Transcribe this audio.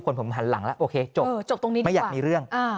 คนผมหันหลังแล้วโอเคจบตรงนี้ไม่อยากมีเรื่อง